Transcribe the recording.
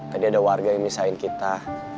tadi ada warga yang misahin kita